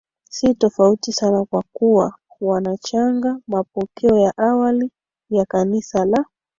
si tofauti sana kwa kuwa wanachanga mapokeo ya awali ya Kanisa la